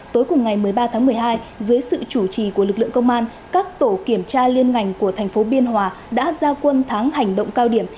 tối cùng ngày một mươi ba tháng một mươi hai dưới sự chủ trì của lực lượng công an các tổ kiểm tra liên ngành của thành phố biên hòa đã giao quân tháng hành động cao điểm